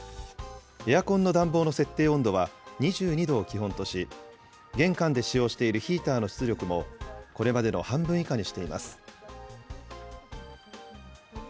エアコンの暖房の設定温度は２２度を基本とし、玄関で使用しているヒーターの出力もこれまでの半分以下にしています。